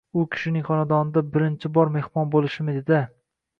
U kishining xonadonida birinchi bor mehmon bo’lishim edi-da.